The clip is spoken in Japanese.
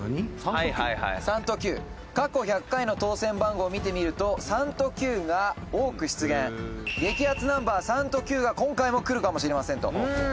「過去１００回の当せん番号を見てみると３と９が多く出現」「激アツナンバー３と９が今回もくるかもしれませんと」